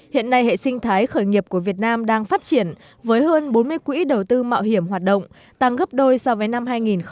hiện nay hệ sinh thái khởi nghiệp của việt nam đang phát triển với hơn bốn mươi quỹ đầu tư mạo hiểm hoạt động tăng gấp đôi so với năm hai nghìn một mươi